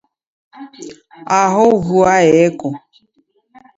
Aho vua yeko